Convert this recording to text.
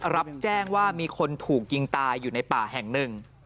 รับแจ้งว่ามีคนถูกยิงตายอยู่ในป่าแห่งหนึ่ง